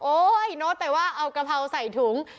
โอ้โห้โต๊ะว่าเอากระเพราใส่ถุง